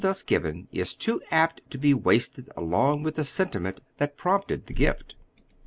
tlms given is too apt to be wasted along with the senti ment that prompted the gift.